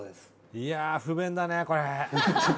いやあ不便だねこれ。